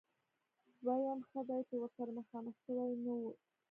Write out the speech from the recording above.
ويم ښه دی چې ورسره مخامخ شوي نه يو.